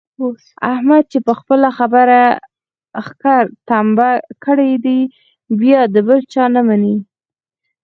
احمد چې په خپله خبره ښکر تمبه کړي بیا د بل چا نه مني.